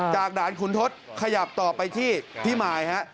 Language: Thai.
ด่านขุนทศขยับต่อไปที่พี่มายฮะ